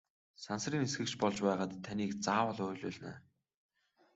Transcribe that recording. Сансрын нисэгч болж байгаад таныг заавал уйлуулна!